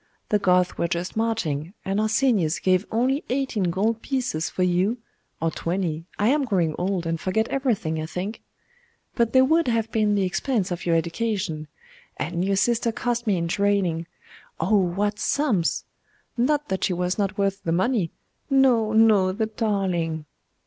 The Goths were just marching, and Arsenius gave only eighteen gold pieces for you or twenty I am growing old, and forget everything, I think. But there would have been the expense of your education, and your sister cost me in training oh what sums? Not that she was not worth the money no, no, the darling!